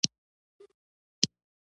ته د جلان غزل ژور ولوله